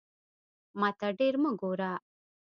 ماته ډیر مه ګوره